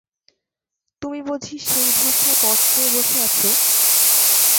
তুমি বুঝি সেই ভরসায় পথ চেয়ে বসে আছ!